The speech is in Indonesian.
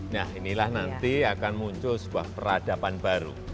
nah inilah nanti akan muncul sebuah peradaban baru